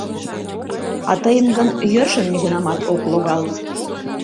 А тыйым гын йӧршын нигунамат ок логал.